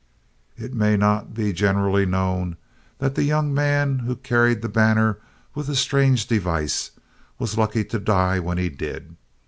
It may not be generally known that the young man who carried the banner with the strange device was lucky to die when he did.